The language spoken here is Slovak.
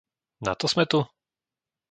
Nato sme tu?